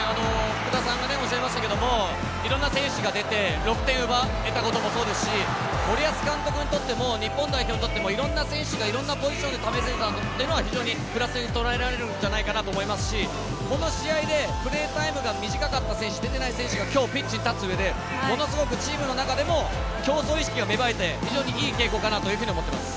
いろんな選手が出て得点が奪われたこともそうですし、森保監督にとっても日本代表にとってもいろんな選手がいろんなポジションを試せたのはプラスに捉えられるんじゃないかと思いますし、この試合でプレータイムが短かった選手、出ていない選手が今日ピッチに立つ上で、ものすごくチームの中でも競争意識が芽生えて非常にいい傾向かなと思っています。